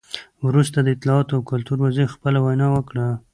وروسته د اطلاعاتو او کلتور وزیر خپله وینا وکړه.